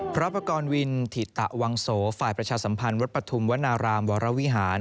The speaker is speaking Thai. ประกอบวินถิตะวังโสฝ่ายประชาสัมพันธ์วัดปฐุมวนารามวรวิหาร